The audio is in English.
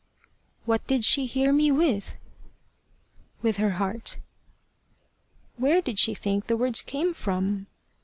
"What did she hear me with?" "With her heart." "Where did she think the words came from?"